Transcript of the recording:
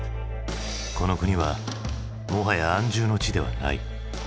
この国はもはや安住の地ではない。